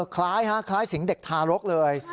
คล้ายคล้ายเสียงเด็กทารกเลย